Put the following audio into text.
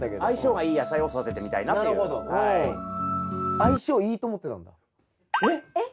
相性いいと思ってたんだ？